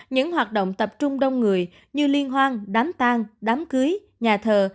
những hoạt động tập trung đông người như liên hoan đám tang đám cưới nhà thờ